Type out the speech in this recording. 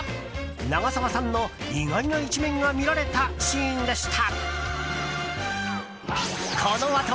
長澤さんの意外な一面が見られたシーンでした。